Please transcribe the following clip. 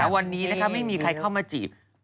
วันนี้ไม่มีใครเข้ามาจีบ